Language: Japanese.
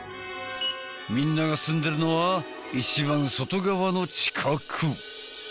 みんなが住んでるのは一番外側の地殻。